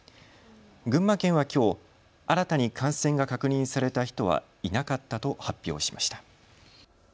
群馬県はきょう新たに感染が確認された人はいなかったと発表しました。